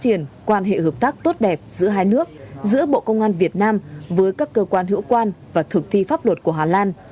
đại sứ esbeth ackerman đánh giá cao quan hệ tin cậy tốt đẹp giữa hai nước giữa bộ công an việt nam với các cơ quan hữu quan và thực thi pháp luật của hà lan